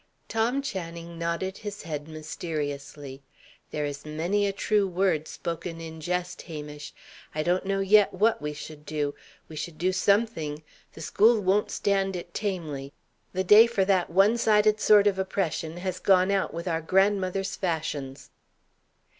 Tom Channing nodded his head mysteriously. "There is many a true word spoken in jest, Hamish. I don't know yet what we should do: we should do something. The school won't stand it tamely. The day for that one sided sort of oppression has gone out with our grandmothers' fashions."